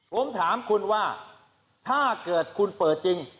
ผมถามคุณว่าถ้าเกิดคุณเปิดจริง